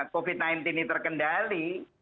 covid sembilan belas ini terkendali